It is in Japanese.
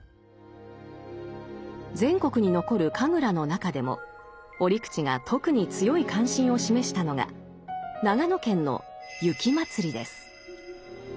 全国に残る神楽の中でも折口が特に強い関心を示したのが長野県の雪祭です。